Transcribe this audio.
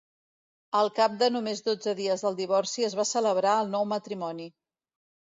Al cap de només dotze dies del divorci es va celebrar el nou matrimoni.